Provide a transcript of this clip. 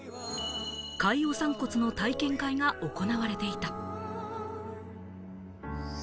海洋散骨の体験会が行われていた。